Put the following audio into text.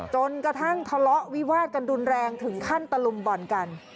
จนกระทั่งทะเลาะวิวาดกันรุนแรงถึงขั้นตะลุมบ่อนกัน